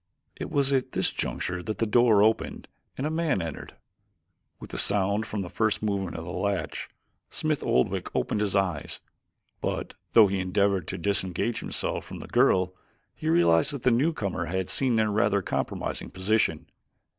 It was at this juncture that the door opened and a man entered. With the sound from the first movement of the latch, Smith Oldwick opened his eyes, but though he endeavored to disengage himself from the girl he realized that the newcomer had seen their rather compromising position.